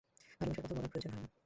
ভালবাসার কথা বলার প্রয়োজন হয় না।